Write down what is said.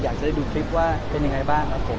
อยากจะได้ดูคลิปว่าเป็นยังไงบ้างครับผม